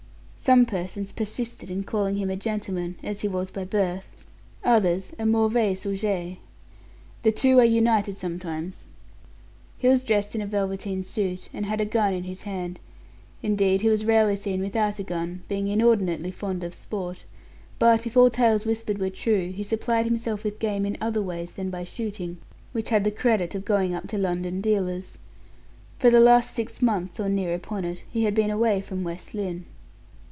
Some persons persisted in calling him a gentleman as he was by birth others a mauvais sujet. The two are united sometimes. He was dressed in a velveteen suit, and had a gun in his hand. Indeed, he was rarely seen without a gun, being inordinately fond of sport; but, if all tales whispered were true, he supplied himself with game in other ways than by shooting, which had the credit of going up to London dealers. For the last six months or near upon it, he had been away from West Lynne.